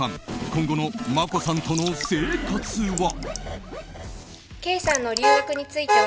今後の眞子さんとの生活は。